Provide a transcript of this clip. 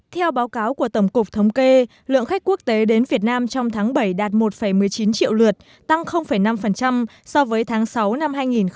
theo báo cáo của tổng cục thống kê lượng khách quốc tế đến việt nam trong tháng bảy đạt một một mươi chín triệu lượt tăng năm so với tháng sáu năm hai nghìn một mươi tám